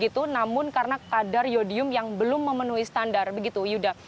namun karena kadar yodium yang belum memenuhi standar begitu yuda